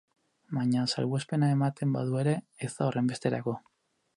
Baina, salbuespena ematen badu ere, ez da horrenbesterako.